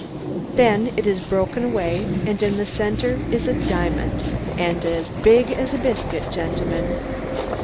Then it is broken away, and in the center is a diamond as big as a biscuit, gentlemen!